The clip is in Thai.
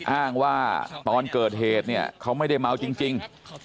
อ้างว่าตอนเกิดเหตุเนี่ยเขาไม่ได้เมาจริง